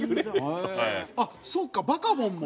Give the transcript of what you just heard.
あっそうか『バカボン』も。